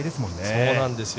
そうなんですよ。